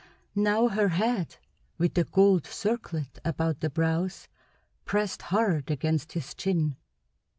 Now her head, with the gold circlet about the brows, pressed hard against his chin.